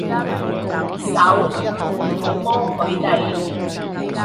手，唔好摸佢哋